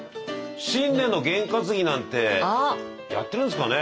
新年のゲンかつぎなんてやってるんですかねえ。